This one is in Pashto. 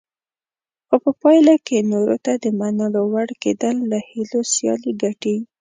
خو په پایله کې نورو ته د منلو وړ کېدل له هیلو سیالي ګټي.